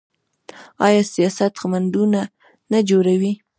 آیا سیاست خنډونه نه جوړوي؟